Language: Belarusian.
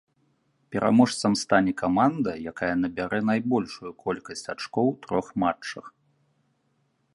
Пераможцам стане каманда, якая набярэ найбольшую колькасць ачкоў у трох матчах.